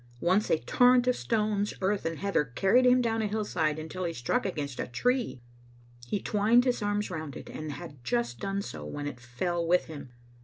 Once a torrent of stones, earth, and heather carried him down a hillside until he struck against a tree. He twined his arms round it, and had just done so when it fell with him.